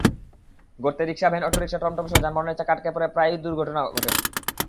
গর্তে rickshaw, van, autorickshaw, টমটমসহ যানবাহনের চাকা আটকা পড়ে প্রায়ই ঘটে দুর্ঘটনা।